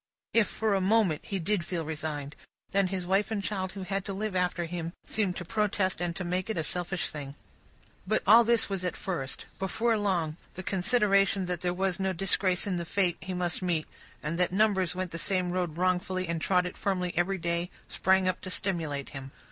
If, for a moment, he did feel resigned, then his wife and child who had to live after him, seemed to protest and to make it a selfish thing. But, all this was at first. Before long, the consideration that there was no disgrace in the fate he must meet, and that numbers went the same road wrongfully, and trod it firmly every day, sprang up to stimulate him.